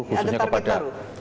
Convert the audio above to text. ada target baru